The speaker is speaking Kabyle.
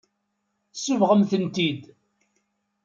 Tsebɣem-ten-id.